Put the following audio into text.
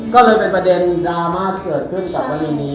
ก็เลยเป็นประเด็นดราม่าเกิดขึ้นกับกรณีนี้